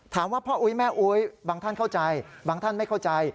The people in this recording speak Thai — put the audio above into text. พ่ออุ๊ยแม่อุ๊ยบางท่านเข้าใจบางท่านไม่เข้าใจ